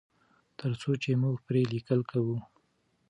تر څو چې موږ پرې لیکل کوو.